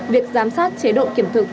việc giám sát chế độ kiểm thực